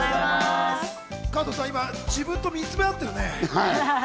加藤さん、今、自分と見つめ合ってるね。